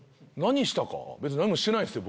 別に何もしてないっすよ